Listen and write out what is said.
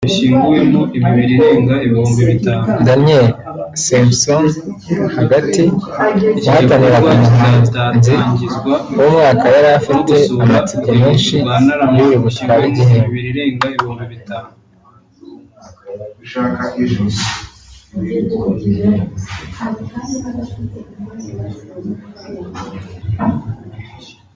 Daniel Svensson(hagati) wahataniraga umuhanzi w'umwaka yari afite amatsiko menshi y'uri butware igihembo